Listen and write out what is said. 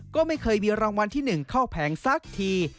ก็ไม่เคยมีรางวัลที่๑เข้าแผงสักที